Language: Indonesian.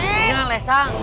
sini lah lesang